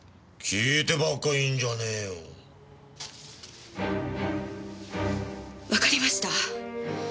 聞いてばっかりいるんじゃねえよ。わかりました。